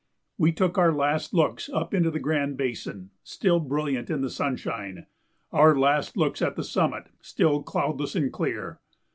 We took our last looks up into the Grand Basin, still brilliant in the sunshine, our last looks at the summit, still cloudless and clear.